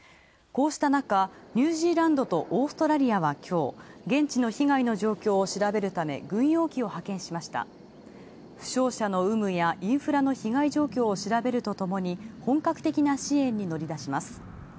こうしたなか、ニュージーランドとオーストラリアは今日、現地の被害の状況を調べるため、インフラの被害状況を調べるとともに、本格的な支援に乗り出します。